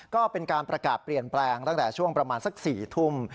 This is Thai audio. ก็เป็นการประกาศเปลี่ยนแปลงตั้งแต่ช่วงประมาณสัก๔ทุ่ม